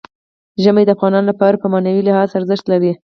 ژمی د افغانانو لپاره په معنوي لحاظ ارزښت لري.